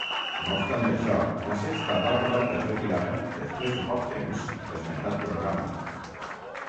No obstant això, La Sexta va acabar per retirar, després de poc temps, l'esmentat programa.